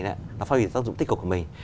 nó phát biểu tác dụng tích cực của mình